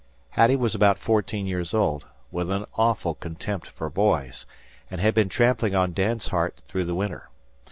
Hattie was about fourteen years old, with an awful contempt for boys, and had been trampling on Dan's heart through the winter.